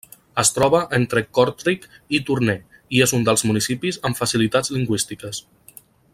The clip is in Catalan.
Es troba entre Kortrijk i Tournai, i és un dels municipis amb facilitats lingüístiques.